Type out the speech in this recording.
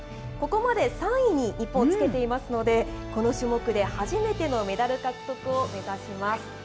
ここまで３位に日本はつけていますので、この種目で初めてのメダル獲得を目指します。